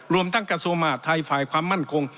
รวมทั้งกระทรวงมหาดไทยฝ่ายความมั่นคง